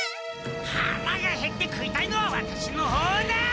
はらがへって食いたいのはワタシの方だ！